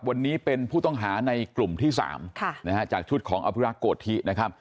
วันนี้เป็นผู้ต้องหาในกลุ่มที่๓จากชุดของอภิรักษ์โกธินะครับ